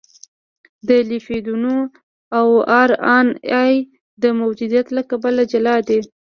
د لیپیدونو او ار ان اې د موجودیت له کبله جلا دي.